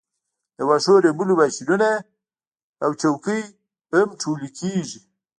د واښو ریبلو ماشینونه او څوکۍ هم ټولې کیږي